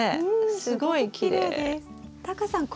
うんすごくきれいです。